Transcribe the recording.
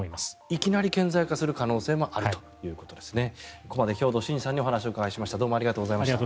いきなり顕在化する可能性もあるということですね。